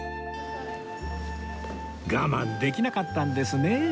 我慢できなかったんですね